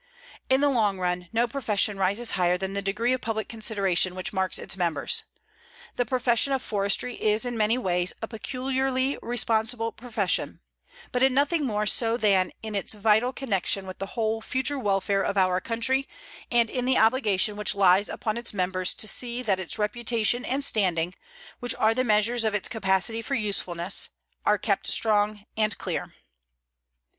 In the long run, no profession rises higher than the degree of public consideration which marks its members. The profession of forestry is in many ways a peculiarly responsible profession, but in nothing more so than in its vital connection with the whole future welfare of our country and in the obligation which lies upon its members to see that its reputation and standing, which are the measures of its capacity for usefulness, are kept strong and clear.